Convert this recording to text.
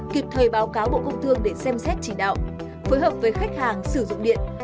kịp thời báo cáo bộ công thương để xem xét chỉ đạo phối hợp với khách hàng sử dụng điện